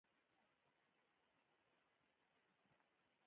ستا ټوله ورځ بدلولای شي دا حقیقت دی.